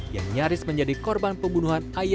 yang nyaris menjadi korban pembunuhan ayah kandungan